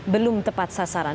belum tepat sasaran